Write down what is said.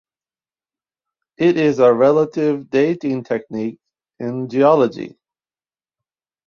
It is a relative dating technique in geology.